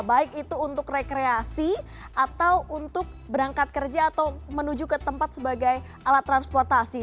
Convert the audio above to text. baik itu untuk rekreasi atau untuk berangkat kerja atau menuju ke tempat sebagai alat transportasi